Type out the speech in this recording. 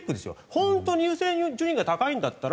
本当に優先順位が高いんだったら。